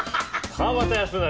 川端康成。